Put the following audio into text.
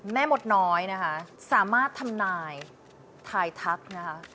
มดน้อยนะคะสามารถทำนายทายทักนะคะ